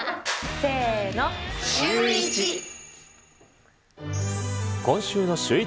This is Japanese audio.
せーの、シューイチ。